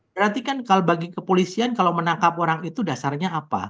berarti kan kalau bagi kepolisian kalau menangkap orang itu dasarnya apa